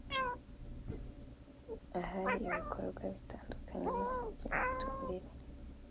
ahari ibikorwa bitandukanye by’imiturire